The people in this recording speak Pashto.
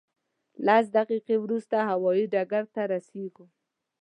لس دقیقې وروسته هوایي ډګر ته رسېږو.